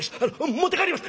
持って帰ります！